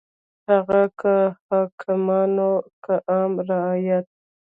هغه که حاکمان وو که عام رعیت.